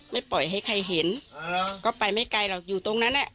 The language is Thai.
ไม่ปล่อยให้ใครเห็นก็ไปไม่ไกลหรอกอยู่ตรงนั้นแหละ